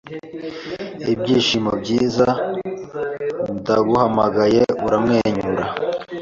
Ibyishimo Byiza Ndaguhamagaye Uramwenyura